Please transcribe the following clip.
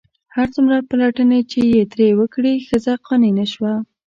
هر څومره پلټنې چې یې ترې وکړې ښځه قانع نه شوه.